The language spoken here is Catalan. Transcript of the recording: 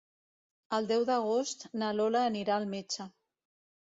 El deu d'agost na Lola anirà al metge.